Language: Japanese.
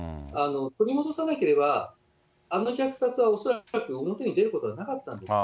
取り戻さなければ、あの虐殺は恐らく表に出ることはなかったんです。